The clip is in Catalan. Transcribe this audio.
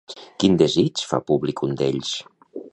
Quin desig fa públic un d'ells?